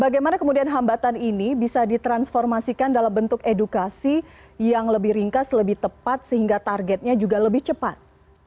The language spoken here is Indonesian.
bagaimana kemudian hambatan ini bisa ditransformasikan dalam bentuk edukasi yang lebih ringkas lebih tepat sehingga targetnya juga lebih cepat